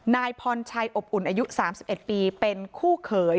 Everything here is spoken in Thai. นายพรชัยอบอุ่นอายุ๓๑ปีเป็นคู่เขย